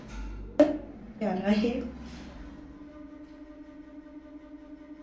اس پر آپ کی کیا رائے ہے؟